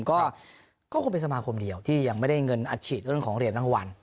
ก็คงเป็นสมาคมเดียวที่ยังไม่ได้เงินอัดฉีดเรื่องของเหรียญรางวัล